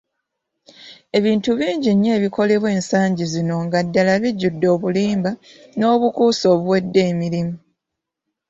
Ebintu bingi nnyo ebikolebwa ensangi zino nga ddala bijjudde obulimba n'obukuusa obuwedde emirimu.